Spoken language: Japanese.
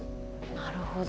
なるほど。